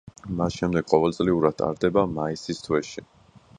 მას შემდეგ ყოველწლიურად ტარდება მაისის თვეში.